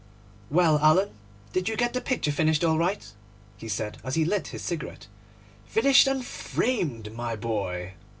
'Well, Alan, did you get the picture finished all right?' he said, as he lit his cigarette. 'Finished and framed, my boy!